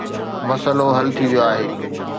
مسئلو حل ٿي ويو آهي.